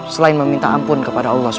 selain meminta ampun kepada allah swt